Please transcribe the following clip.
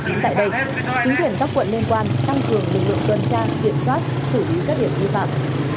chính quyền các quận liên quan tăng cường lực lượng tuần tra kiểm soát xử lý các điểm dư phạm